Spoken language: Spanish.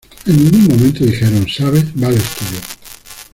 En ningún momento dijeron, sabes, va al estudio.